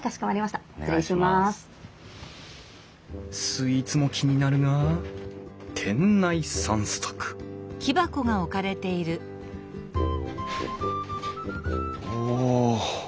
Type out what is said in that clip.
スイーツも気になるが店内散策お！